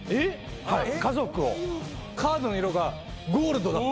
カードの色がゴールドだった。